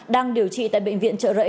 đang điều trị tại bệnh viện trợ rẫy